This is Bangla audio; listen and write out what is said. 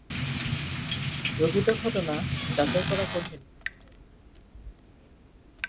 প্রকৃত ঘটনা যাচাই করা কঠিন।